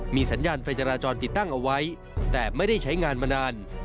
มีสัญญาณไฟจราจรติดตั้งเอาไว้แต่ไม่ได้ใช้งานมานาน